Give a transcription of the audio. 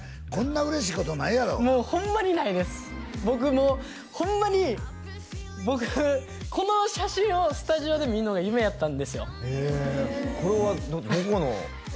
もうホンマに僕この写真をスタジオで見んのが夢やったんですよへこれはどこの？